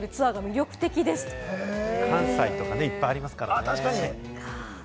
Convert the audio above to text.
関西とかいっぱいありますからね。